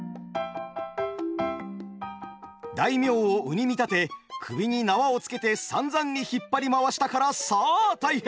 大名を鵜に見立て首に縄をつけてさんざんに引っ張り回したからさあ大変！